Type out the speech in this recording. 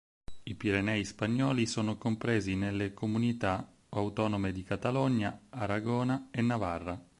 I pirenei spagnoli sono compresi nelle comunità autonome di Catalogna, Aragona, e Navarra.